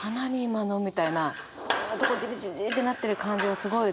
今のみたいなずっとこうジリジリジリってなってる感じがすごい